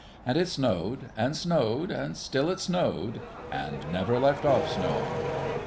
And it snowed and snowed, and still it snowed, and never left off snowing.